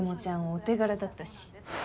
お手柄だったし！